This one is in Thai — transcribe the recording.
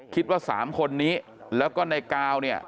คิดว่า๓คนนี้แล้วก็ในกาวเนี่ย